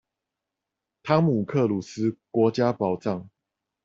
湯姆克魯斯國家寶藏